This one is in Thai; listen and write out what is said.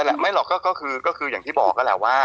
นั่นแหละไม่เราก็คืออย่างที่บอกก็แหละ